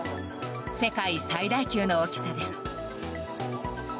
世界最大級の大きさです。